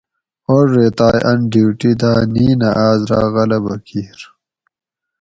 اوڑ ریتائ ان ڈیوٹی دا نینہ آس رہ غلبہ کیر